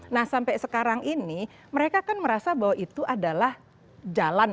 nah sampai sekarang ini mereka kan merasa bahwa itu adalah jalan